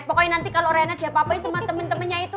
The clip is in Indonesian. pokoknya nanti kalau rena diapa apain sama temen temennya itu